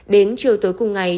đến chiều tối cùng ngày